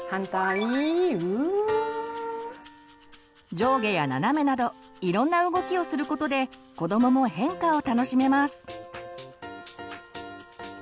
上下や斜めなどいろんな動きをすることで子どもも変化を楽しめます。